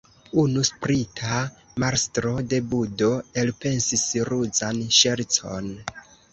Unu sprita mastro de budo elpensis ruzan ŝercon.